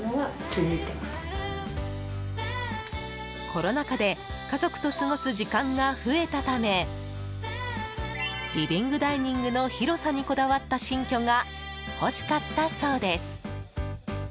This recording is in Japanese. コロナ禍で家族と過ごす時間が増えたためリビングダイニングの広さにこだわった新居が欲しかったそうです。